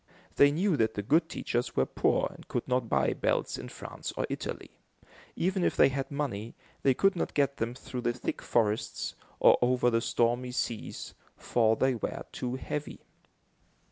They knew that the good teachers were poor and could not buy bells in France or Italy. Even if they had money, they could not get them through the thick forests, or over the stormy seas, for they were too heavy.